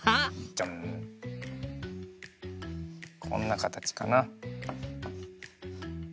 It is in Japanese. ジャンこんなかたちかな。